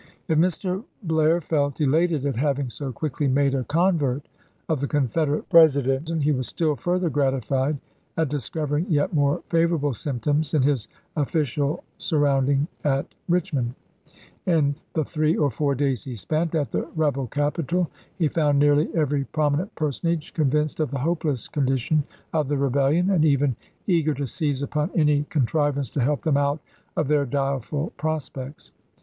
If Mr. Blair felt elated at having so quickly made a convert of the Confederate President, he was still further gratified at discovering yet more favorable symptoms in his official surrounding at Eichmond. lses. In the three or four days he spent at the rebel capital he found nearly every prominent person age convinced of the hopeless condition of the rebellion, and even eager to seize upon any con trivance to help them out of their direful prospects.